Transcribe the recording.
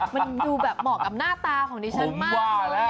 มันดูแบบเหมาะกับหน้าตาของดิฉันมาก